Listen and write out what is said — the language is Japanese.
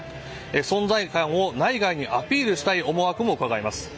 存在感を内外にアピールしたい思惑もうかがえます。